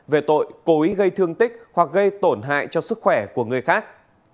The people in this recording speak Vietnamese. về tội cố ý gây thương tích hoặc gây tổn hại cho sức khỏe của người khác